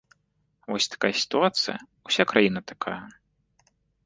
Вось такая сітуацыя, уся краіна такая.